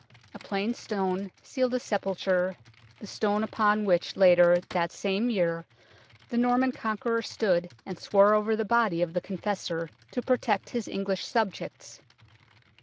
A plain stone sealed the sepulture the stone upon which later that same year the Norman Conqueror stood and swore over the body of the Confessor to protect his English subjects.